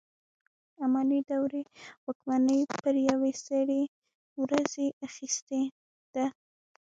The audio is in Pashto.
اماني دورې واکمني پر یوې سرې ورځې اخیستې ده.